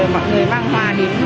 mọi người vang hoa đến